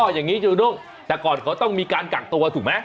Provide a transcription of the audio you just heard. อย่างนี้จูด้งแต่ก่อนเขาต้องมีการกักตัวถูกไหม